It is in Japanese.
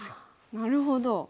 なるほど。